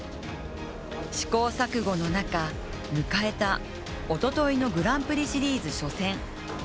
試行錯誤の中迎えたおとといのグランプリシリーズ初戦。